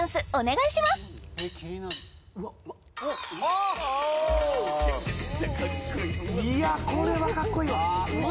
いやこれはかっこいいわ！